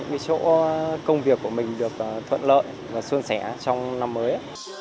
những chỗ công việc của mình được thuận lợi và xuân xẻ trong năm mới